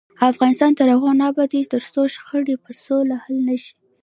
افغانستان تر هغو نه ابادیږي، ترڅو شخړې په سوله حل نشي.